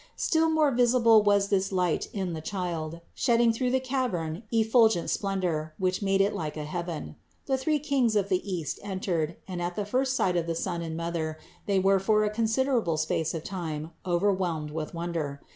Still more visible was this light in the Child, shedding through the cavern effulgent splendor, which made it like a heaven. The three kings of the East entered and at the first sight of the Son and Mother they were for a considerable space of time over whelmed with wonder.